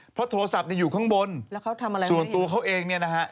เพราะโทรศัพท์อยู่ข้างบนส่วนตัวเขาเองเนี่ยนะฮะ